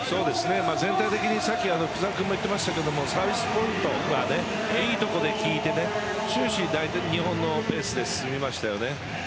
全体的に福澤君も言っていましたがサービスポイントがいいところで効いて終始、日本のペースで進みましたよね。